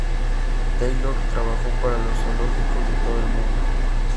Taylor trabajó para los zoológicos de todo el mundo.